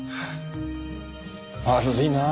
まずいなあ